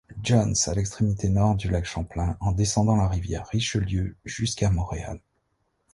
Johns, à l'extrémité nord du lac Champlain, en descendant la rivière Richelieu jusqu'à Montréal.